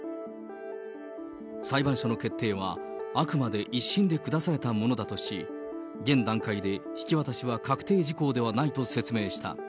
裁判所の決定は、あくまで１審で下されたものだとし、現段階で引き渡しは確定事項ではないと説明した。